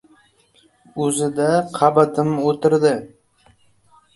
O‘zi-da — qabatim o‘tirdi.